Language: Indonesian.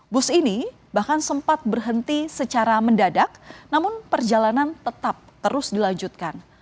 bus ini bahkan sempat berhenti secara mendadak namun perjalanan tetap terus dilanjutkan